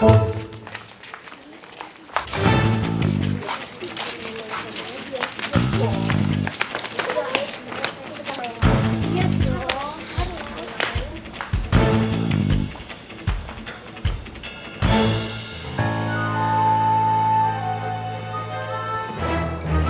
haikal selalu bikin masalah